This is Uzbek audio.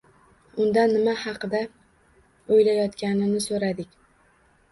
Udan nima haqida o‘ylayotganini so‘radik.